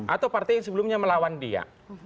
atau partai yang sebelumnya melawan dia